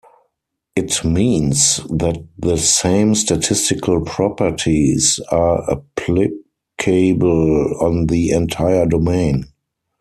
It means that the same statistical properties are applicable on the entire domain.